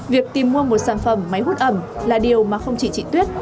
việc tìm mua một sản phẩm máy hút ẩm là điều mà không chỉ chị tuyết